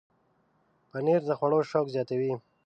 پنېر د خوړو شوق زیاتوي.